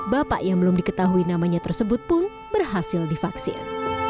bapak yang belum diketahui namanya tersebut pun berhasil divaksin